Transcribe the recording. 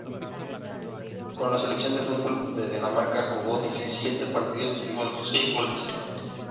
Con la selección de fútbol de Dinamarca jugó diecisiete partidos y marcó seis goles.